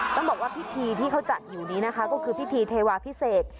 ต้องบอกว่าพิธีที่เขาจัดอยู่นี้นะคะก็คือพิธีเทวาพิเศษ